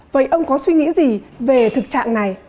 vậy ông có suy nghĩ gì về thực trạng này